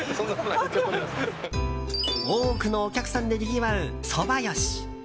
多くのお客さんでにぎわうそばよし。